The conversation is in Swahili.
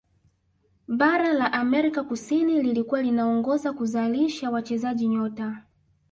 bara la amerika kusini lilikuwa linaongoza kuzalisha wachezaji nyota